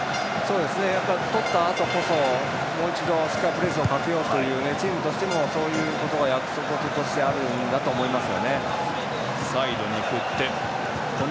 取ったあとこそもう一度、しっかりとプレスをかけようというチームとしてのそういうことも約束事としてあるんだと思います。